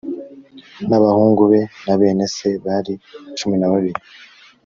n abahungu be na bene se bari cumi na babiri